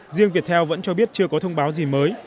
riêng viettel vẫn cho biết chưa có thông báo gì mới